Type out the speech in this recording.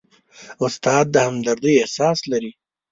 استاد د همدردۍ احساس لري.